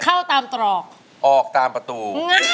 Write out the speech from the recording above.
เข้าตามตรอกออกตามประตู